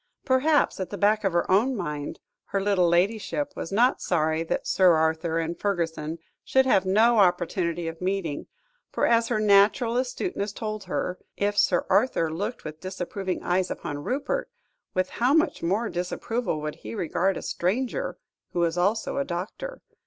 Perhaps, at the back of her own mind, her little ladyship was not sorry that Sir Arthur and Fergusson should have no opportunity of meeting; for, as her natural astuteness told her, if Sir Arthur looked with disapproving eyes upon Rupert, with how much more disapproval would he regard a stranger, who was also a doctor.